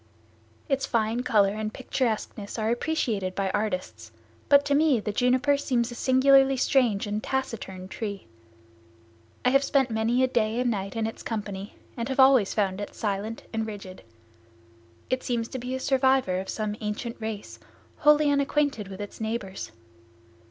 Its fine color and picturesqueness are appreciated by artists, but to me the juniper seems a singularly strange and taciturn tree. I have spent many a day and night in its company and always have found it silent and rigid. It seems to be a survivor of some ancient race, wholly unacquainted with its neighbors.